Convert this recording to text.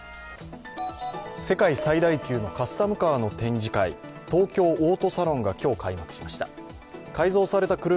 世界最大級のカスタムカーの展示会、東京オートサロンが今日開幕しました。